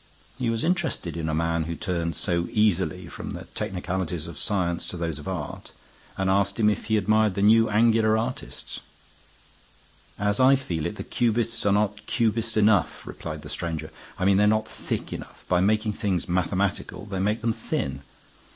He was interested in a man who turned so easily from the technicalities of science to those of art; and asked him if he admired the new angular artists. "As I feel it, the Cubists are not Cubist enough," replied the stranger. "I mean they're not thick enough. By making things mathematical they make them thin.